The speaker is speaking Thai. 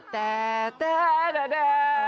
แต่แต่แต่แต่แต่